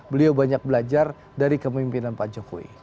beliau banyak belajar dari kemimpinan pak jokowi